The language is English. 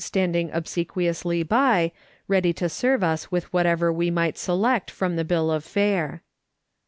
standing obsequiously by, ready to serve us with whatever we might select from the bill of fare.